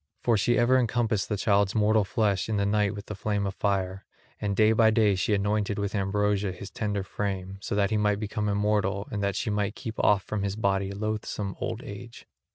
For she ever encompassed the child's mortal flesh in the night with the flame of fire; and day by day she anointed with ambrosia his tender frame, so that he might become immortal and that she might keep off from his body loathsome old age.